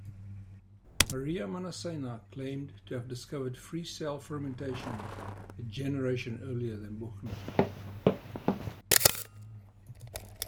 Maria Manasseina claimed to have discovered free-cell fermentation a generation earlier than Buchner.